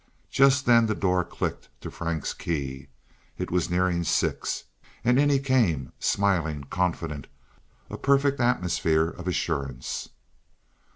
Just then the door clicked to Frank's key—it was nearing six—and in he came, smiling, confident, a perfect atmosphere of assurance.